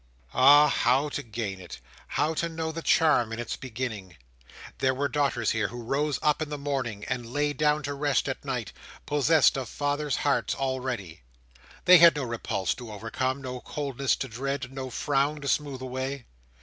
Ah! how to gain it! how to know the charm in its beginning! There were daughters here, who rose up in the morning, and lay down to rest at night, possessed of fathers' hearts already. They had no repulse to overcome, no coldness to dread, no frown to smooth away.